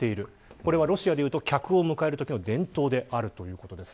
これはロシアでいうと客を迎えるときの伝統であるということです。